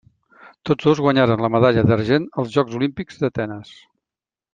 Tots dos guanyaren la medalla d'argent als Jocs Olímpics d'Atenes.